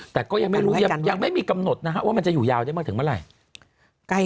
แต่ก็ยังไม่รู้ยังไม่มีกำหนดนะฮะว่ามันจะอยู่ยาวได้เมื่อถึงเมื่อไหร่